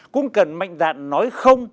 cũng cần mạnh dạn nói không